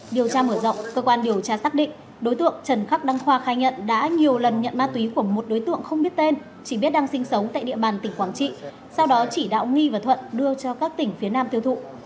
điều tra mở rộng cơ quan điều tra xác định đối tượng trần khắc đăng khoa khai nhận đã nhiều lần nhận ma túy của một đối tượng không biết tên chỉ biết đang sinh sống tại địa bàn tỉnh quảng trị sau đó chỉ đạo nghi và thuận đưa cho các tỉnh phía nam tiêu thụ